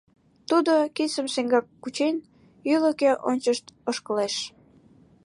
Тудо, кидшым шеҥгек кучен, ӱлыкӧ ончышт ошкылеш.